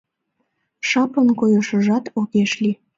Шапын койышыжат огеш лий.